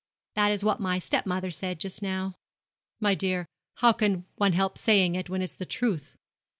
'That is what my step mother said just now.' 'My dear, how can one help saying it, when it's the truth?